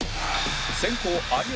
先攻有吉